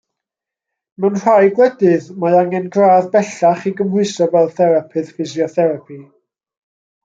Mewn rhai gwledydd, mae angen gradd bellach i gymhwyso fel therapydd ffisiotherapi.